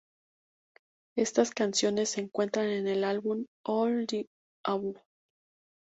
Estas canciones se encuentran en el álbum "All of the above".